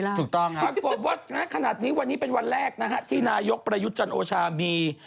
ไอโฟนพูดนะฮะขนาดนี้วันนี้เป็นวันแรกนะฮะที่นายกประยุจจรโอชามี